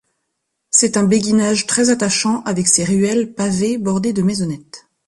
C'est un béguinage très attachant avec ses ruelles pavées bordées de maisonnettes.